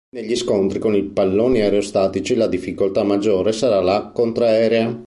Negli scontri con i palloni aerostatici la difficoltà maggiore sarà la contraerea.